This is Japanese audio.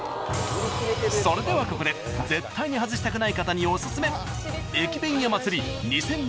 ［それではここで絶対に外したくない方にお薦め］